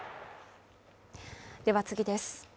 では次です。